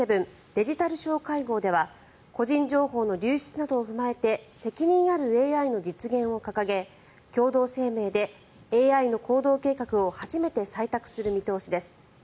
デジタル相会合では個人情報の流出などを踏まえて責任あるＡＩの実現を掲げ共同声明でＡＩの行動計画を初めて採択する見通しです。